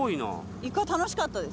イカ楽しかったです。